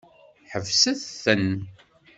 Ḥebset-ten!